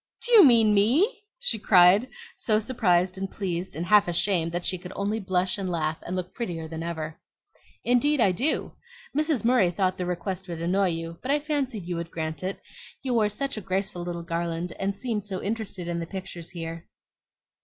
"Do you mean me?" she cried, so surprised and pleased and half ashamed that she could only blush and laugh and look prettier than ever. "Indeed I do. Mrs. Murray thought the request would annoy you; but I fancied you would grant it, you wore such a graceful little garland, and seemed so interested in the pictures here."